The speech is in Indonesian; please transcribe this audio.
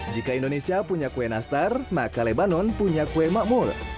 jika indonesia punya kue nastar maka lebanon punya kue makmur